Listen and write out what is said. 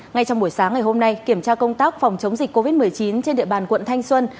ngay trong buổi sáng ngày hôm nay kiểm tra công tác phòng chống dịch covid một mươi chín trên địa bàn quận thanh xuân